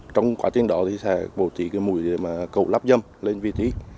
trong quá trình đó thì sẽ bổ trí cái mũi để mà cầu lắp dâm lên vị thí